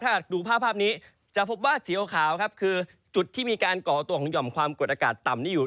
ถ้าดูภาพภาพนี้จะพบว่าสีขาวครับคือจุดที่มีการก่อตัวของหย่อมความกดอากาศต่ำนี้อยู่